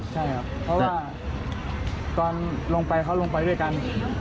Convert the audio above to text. ใช่ครับเพราะว่าตอนลงไปเขาลงไปด้วยกัน